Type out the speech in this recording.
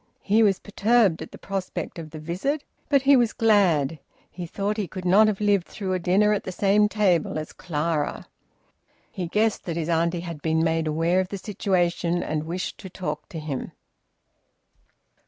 He was perturbed at the prospect of the visit. But he was glad; he thought he could not have lived through a dinner at the same table as Clara. He guessed that his auntie had been made aware of the situation and wished to talk to him.